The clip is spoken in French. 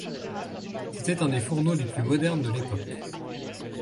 C’était un des fourneaux les plus modernes de l’époque.